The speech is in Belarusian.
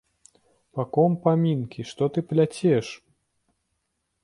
Па ком памінкі, што ты пляцеш?